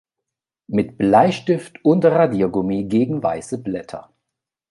Mit Bleistift und Radiergummi gegen weiße Blätter.